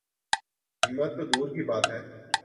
ہمت تو دور کی بات ہے۔